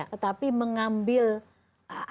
tetapi mengambil aksi